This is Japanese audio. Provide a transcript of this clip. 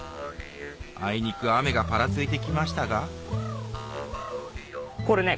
あいにく雨がパラついてきましたがこれね